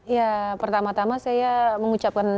ya pertama tama saya mengucapkan